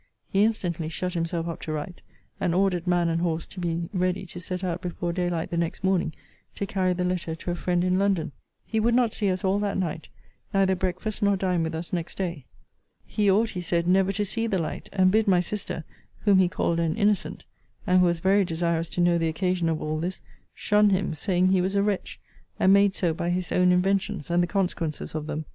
He instantly shut himself up to write, and ordered man and horse to be ready to set out before day light the next morning, to carry the letter to a friend in London. He would not see us all that night; neither breakfast nor dine with us next day. He ought, he said, never to see the light; and bid my sister, whom he called an innocent, (and who was very desirous to know the occasion of all this,) shun him, saying, he was a wretch, and made so by his own inventions, and the consequences of them.